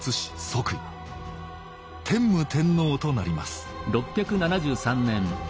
天武天皇となります